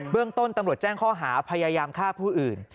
เรื่องต้นตำรวจแจ้งข้อหาพยายามฆ่าผู้อื่น